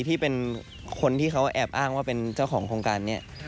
ที่เป็นคนที่เขาแอบอ้างว่าเป็นเจ้าของโครงการนี้